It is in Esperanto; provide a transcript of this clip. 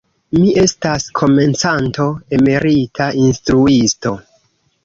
Mi estas komencanto, emerita instruisto.